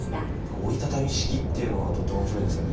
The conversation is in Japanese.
「折りたたみ式」っていうのがとっても面白いですよね。